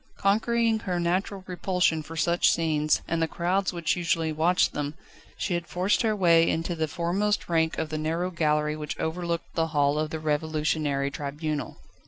Conquering her natural repulsion for such scenes, and the crowds which usually watched them, she had forced her way into the foremost rank of the narrow gallery which overlooked the Hall of the Revolutionary Tribunal.